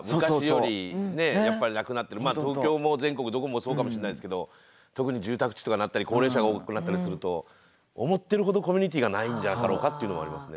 まあ東京も全国どこもそうかもしれないですけど特に住宅地とかなったり高齢者が多くなったりすると思ってるほどコミュニティがないんじゃなかろうかというのはありますね。